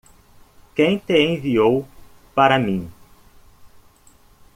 Quem te enviou para mim?